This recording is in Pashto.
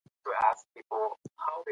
ده د خپلې مور او پلار مشورې ته درناوی کوي.